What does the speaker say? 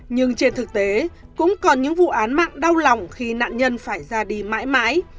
nhưng trên thực tế cũng còn những vụ án mạng đau lòng khi nạn nhân phải ra đi mãi mãi